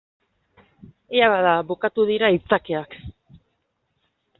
Ea bada, bukatu dira aitzakiak.